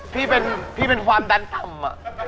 พี่เป็นความดันต่ำ